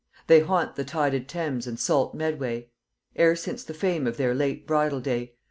They haunt the tided Thames and salt Medway, E'er since the fame of their late bridal day.